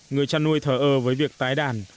người chăn nuôi thờ ơ với việc tái đàn